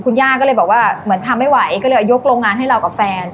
คุณย่าก็เลยบอกว่าเหมือนทำไม่ไหวก็เลยยกโรงงานให้เรากับแฟน